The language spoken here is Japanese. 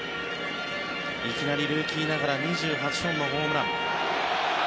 いきなり、ルーキーながら２８本のホームラン。